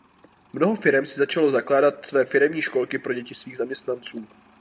Mnoho firem si začalo zakládat své firemní školky pro děti svých zaměstnanců.